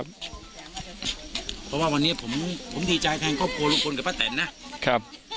เพราะว่าวันนี้ผมดีใจแทนเอกสมโภลลุงพลเกือบพระเติลนะ